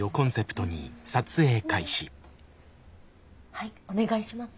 はいお願いします。